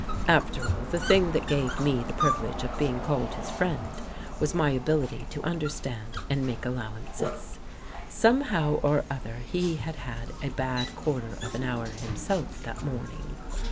After all, the thing that gave me the privilege of being called his friend, was my ability to understand and make allowances. Somehow or other, he had had a bad quarter of an hour himself that morning.